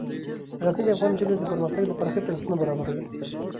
غزني د افغان نجونو د پرمختګ لپاره ښه فرصتونه برابروي.